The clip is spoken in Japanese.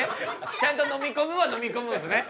ちゃんと飲み込むは飲み込むんですね。